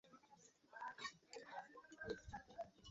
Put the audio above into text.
এতে দেশে থাকা বন্ধুরা নানা ধরনের কথা বলতে দ্বিধা বোধ করেনি।